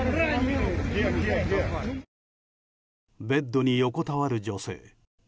ベッドに横たわる女性。